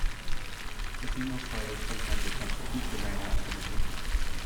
The female spider sometimes attempts to eat the male after mating.